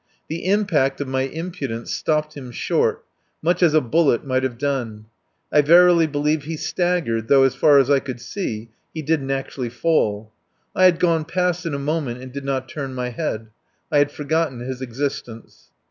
The impact of my impudence stopped him short, much as a bullet might have done. I verily believe he staggered, though as far as I could see he didn't actually fall. I had gone past in a moment and did not turn my head. I had forgotten his existence.